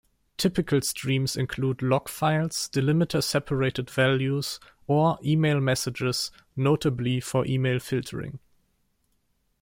Typical streams include log files, delimiter-separated values, or email messages, notably for email filtering.